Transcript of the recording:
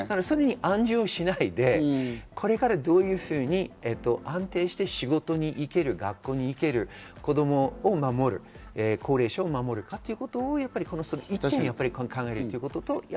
それに暗示しないで、これからどういうふうに安定して仕事に行ける、学校に行ける、子供を守る、高齢者を守るかということを考えるということです。